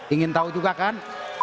ingin tahu juga kan